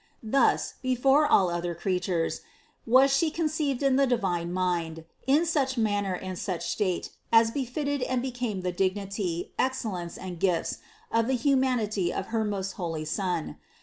Thus, before all other creatures, was She con ceived in the divine mind, in such manner and such state as befitted and became the dignity, excellence and gifts of the humanity of her most holy Son.